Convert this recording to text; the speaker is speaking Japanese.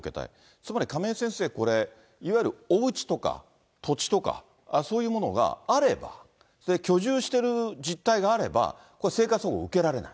つまり亀井先生、これ、いわゆるおうちとか土地とか、そういうものがあれば、居住している実態があれば、生活保護受けられない。